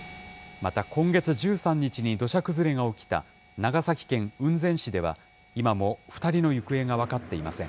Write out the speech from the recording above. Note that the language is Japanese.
また今月１３日に土砂崩れが起きた長崎県雲仙市では、今も２人の行方が分かっていません。